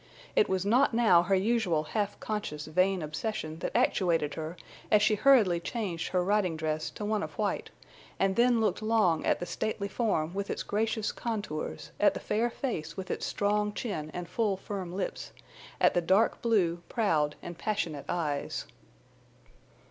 It was not now her usual half conscious vain obsession that actuated her as she hurriedly changed her riding dress to one of white, and then looked long at the stately form with its gracious contours, at the fair face with its strong chin and full firm lips, at the dark blue, proud, and passionate eyes.